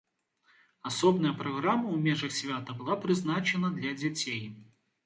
Асобная праграма ў межах свята была прызначана для дзяцей.